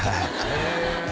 へえ